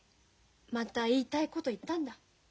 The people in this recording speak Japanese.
また言いたいこと言ったんだ。